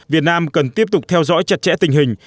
việt nam cần tiếp tục theo dõi chặt chẽ tình hình